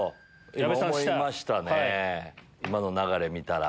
今の流れ見たら。